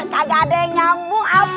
kagak ada yang nyambung